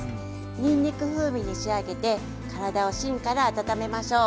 にんにく風味に仕上げてからだを芯から温めましょう。